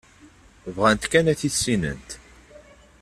Bɣant kan ad t-issinent.